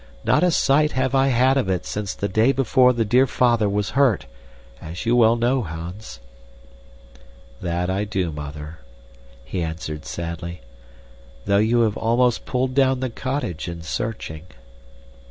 Not a sight have I had of it since the day before the dear father was hurt as you well know, Hans." "That I do, Mother," he answered sadly, "though you have almost pulled down the cottage in searching."